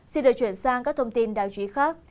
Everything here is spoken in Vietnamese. xin đưa chuyển sang các thông tin đạo trí khác